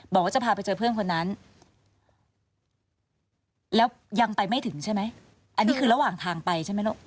บอกว่าจะพาไปเจอเพื่อนคนนั้นแล้วยังไปไม่ถึงใช่ไหมอันนี้คือระหว่างทางไปใช่ไหมลูก